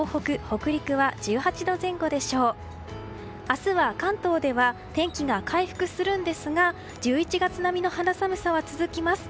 明日は関東では天気が回復するんですが１１月並みの肌寒さは続きます。